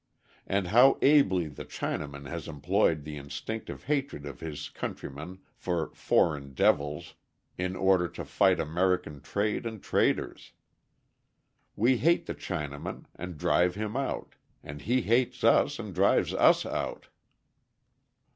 And how ably the Chinaman has employed the instinctive hatred of his countrymen for "foreign devils" in order to fight American trade and traders! We hate the Chinaman and drive him out, and he hates us and drives us out.